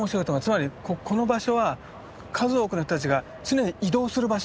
つまりこの場所は数多くの人たちが常に移動する場所だと。